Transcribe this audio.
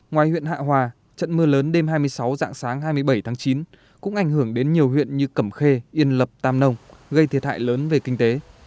ngoài huyện hạ hòa trận mưa lớn đêm hai mươi sáu dạng sáng hai mươi bảy tháng chín cũng ảnh hưởng đến nhiều huyện như cẩm khê yên lập tam nông gây thiệt hại lớn về kinh tế